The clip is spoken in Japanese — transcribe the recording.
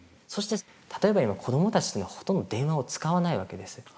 そして例えば今子どもたちというのはほとんど電話を使わないわけです。